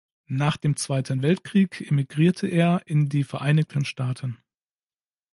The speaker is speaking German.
Nach dem Zweiten Weltkrieg emigrierte er in die Vereinigten Staaten.